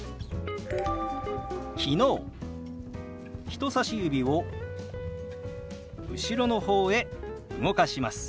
人さし指を後ろの方へ動かします。